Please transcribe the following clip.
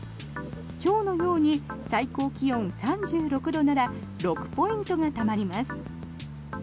今日のように最高気温３６度なら６ポイントがたまります。